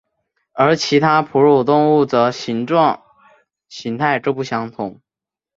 而其他哺乳动物则形状形态各不相同。